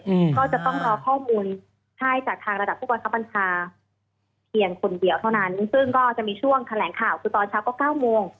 อืมก็จะต้องรอข้อมูลให้จากทางระดับผู้บังคับบัญชาเพียงคนเดียวเท่านั้นซึ่งก็จะมีช่วงแถลงข่าวคือตอนเช้าก็เก้าโมง